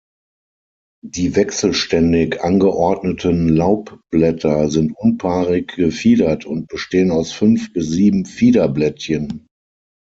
Die wechselständig angeordneten Laubblätter sind unpaarig gefiedert und bestehen aus fünf bis sieben Fiederblättchen.